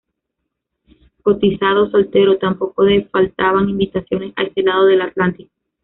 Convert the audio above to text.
Cotizado soltero, tampoco le faltaban invitaciones a ese lado del Atlántico.